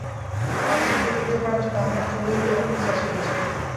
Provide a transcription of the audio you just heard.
মাতসুকো এই ভিডিও করার জন্য আমার চুলের এমন সাইজ করেছিল।